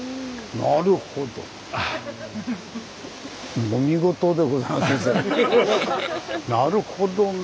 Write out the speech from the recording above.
なるほどね！